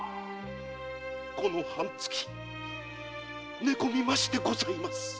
この半月寝込みましてございます。